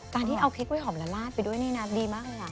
การที่เอาเค้กไว้หอมละลาดไปด้วยนี่นะดีมากเลยนะ